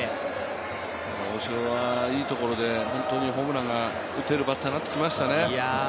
大城はいいところで本当にホームランが打てるバッターになってきましたね。